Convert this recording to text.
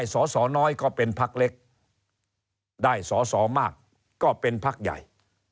สสน้อยก็เป็นพักเล็กได้สอสอมากก็เป็นพักใหญ่